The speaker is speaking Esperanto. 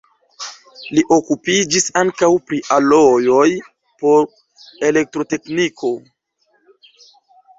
Li okupiĝis ankaŭ pri alojoj por elektrotekniko.